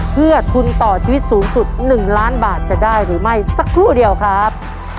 เพื่อทุนต่อชีวิตสูงสุด๑ล้านบาทจะได้หรือไม่สักครู่เดียวครับ